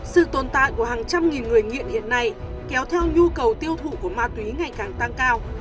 sự tồn tại của hàng trăm nghìn người nghiện hiện nay kéo theo nhu cầu tiêu thụ của ma túy ngày càng tăng cao